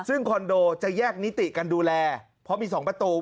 ซึ่งคอนโดจะแยกนิติกันดูแลเพราะมี๒ประตู